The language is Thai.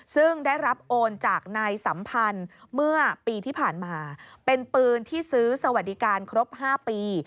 ซึ่งได้รับโอนจากนายสัมพันธ์เมื่อปีที่ผ่านมาเป็นปืนที่ซื้อสวัสดิการครบ๕ปี